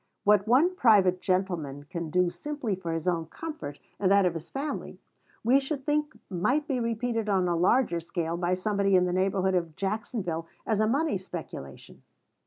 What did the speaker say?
What one private gentleman can do simply for his own comfort and that of his family, we should think might be repeated on a larger scale by somebody in the neighborhood of Jacksonville as a money speculation.